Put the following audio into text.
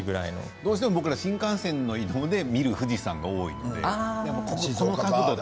どうしても僕らは新幹線の窓から見る富士山が多いので。